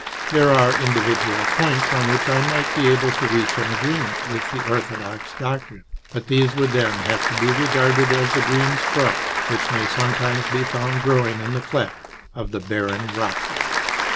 There are individual points on which I might be able to reach an agreement with the orthodox doctrine, but these would then have to be regarded as the green sprouts which may sometimes be found growing in the cleft of the barren rock.